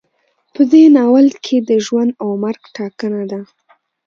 په دې ناول کې د ژوند او مرګ ټاکنه ده.